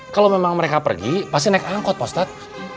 kalau memang mereka pergi pasti naik angkot ustadz